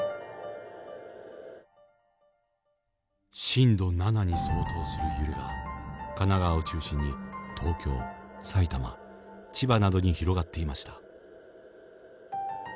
震度７に相当する揺れは神奈川を中心に東京埼玉千葉などに広がっていました。